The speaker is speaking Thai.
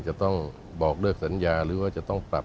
จะต้องบอกเลิกสัญญาหรือว่าจะต้องปรับ